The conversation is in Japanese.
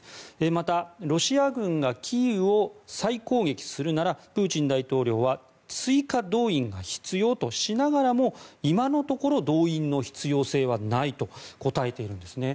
また、ロシア軍がキーウを再攻撃するならプーチン大統領は追加動員も必要としながらも今のところ動員の必要性はないと答えているんですね。